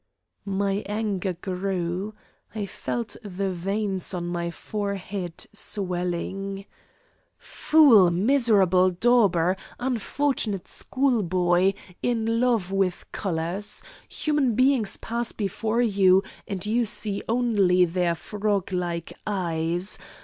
My anger grew. I felt the veins on my forehead swelling. "Fool, miserable dauber, unfortunate schoolboy, in love with colours! Human beings pass before you, and you see only their froglike eyes.